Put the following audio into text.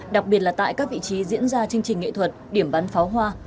đặc biệt là tại các vị trí diễn ra chương trình nghệ thuật điểm bắn pháo hoa